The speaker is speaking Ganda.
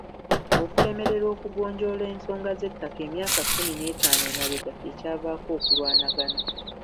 Okulemererwa okugonjoola ensonga z'ettaka emyaka kkumi n'etaano emabega kye kyavaako okulwanagana.